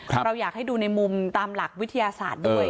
เราอยากให้ดูในมุมตามหลักวิทยาศาสตร์ด้วย